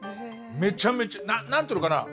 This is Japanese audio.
めちゃめちゃ何て言うのかな。